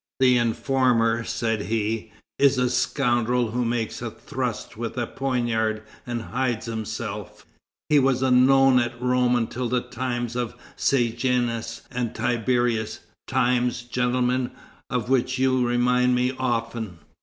"The informer," said he, "is a scoundrel who makes a thrust with a poniard and hides himself; he was unknown at Rome until the times of Sejanus and Tiberius; times, gentlemen, of which you remind me often."